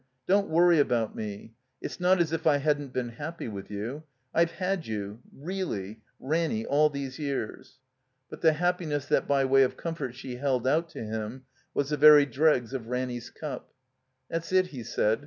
Don't worry about me. It's not as if I hadn't been happy with you. I've had you — reelly — ^Ranny, all these years." But the happiness that by way of comfort she held out to him was the very dregs of Ranny's cup. "That's it," he said.